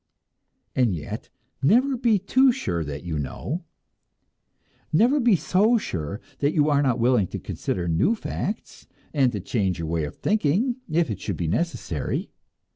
And yet, never be too sure that you know! Never be so sure, that you are not willing to consider new facts, and to change your way of thinking if it should be necessary.